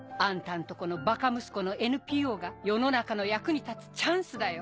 んとこのバカ息子のＮＰＯが世の中の役に立つチャンスだよ！